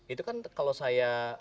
itu kan kalau saya